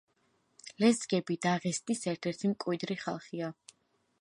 ლეზგები დაღესტნის ერთ-ერთი მკვიდრი ხალხია.